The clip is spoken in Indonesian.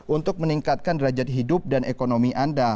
untuk meningkatkan derajat hidup dan ekonomi anda